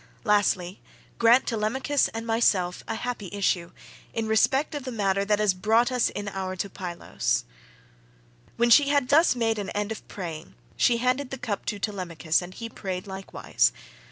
Lastly, grant Telemachus and myself a happy issue, in respect of the matter that has brought us in our ship to Pylos." When she had thus made an end of praying, she handed the cup to Telemachus and he prayed likewise.